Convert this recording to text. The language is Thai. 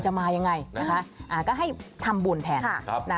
มายังไงนะคะก็ให้ทำบุญแทน